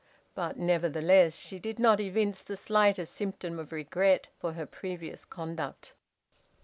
But, nevertheless, she did not evince the slightest symptom of regret for her previous conduct.